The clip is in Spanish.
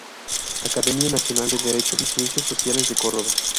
Academia Nacional de Derecho y Ciencias Sociales de Córdoba.